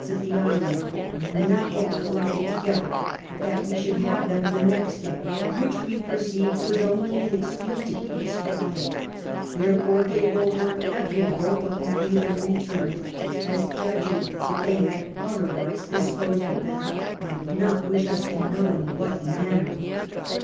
s of the island, and were not yet collected together, but that we shouhl have tln in the next day ; which we jx'rceived was only an excuse to keep us quiet, therefore gave over every hope of having them ivturiied, as judging that they had otherwise disposed them, and did not wish us to know in what inaiiner.